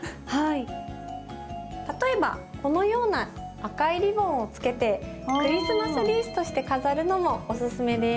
例えばこのような赤いリボンをつけてクリスマスリースとして飾るのもおすすめです。